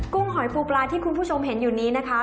หอยปูปลาที่คุณผู้ชมเห็นอยู่นี้นะคะ